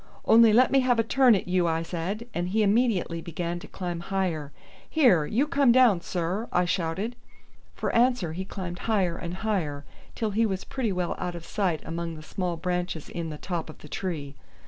"Only let me have a turn at you," I said, and he immediately began to climb higher. "Here, you come down, sir," I shouted. For answer he climbed higher and higher till he was pretty well out of sight among the small branches in the top of the tree.